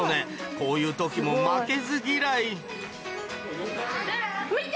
こういう時も負けず嫌い見て！